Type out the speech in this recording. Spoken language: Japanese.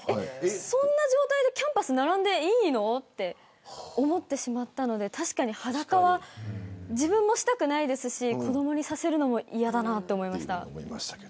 そんな状態でキャンパス並んでいいのって思ってしまったので確かに裸は自分もしたくないですし子どもにさせるのも嫌だなと思いました。